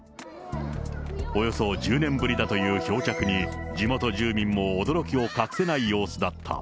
およそ１０年ぶりだという漂着に、地元住民も驚きを隠せない様子だった。